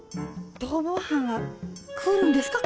逃亡犯が来るんですか？